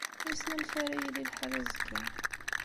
Wissen amek ara yili lḥal azekka.